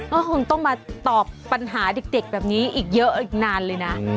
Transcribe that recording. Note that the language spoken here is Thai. ก็คงต้องมาตอบปัญหาเด็กแบบนี้อีกเยอะอีกนานเลยนะ